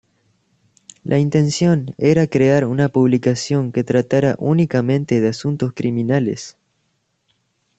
La intención era crear una publicación que tratara únicamente de asuntos criminales.